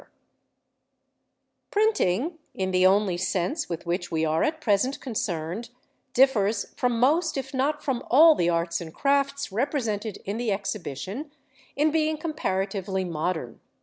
PRINTING Printing, in the only sense with which we are at present concerned, differs from most if not from all the arts and crafts represented in the Exhibition in being comparatively modern.